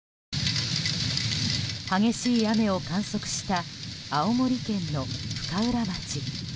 激しい雨を観測した青森県の深浦町。